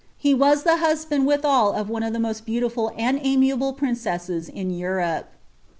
He was the husband withal of one of the most beautiful and ] ■BiahlA piiBceasus in Europe.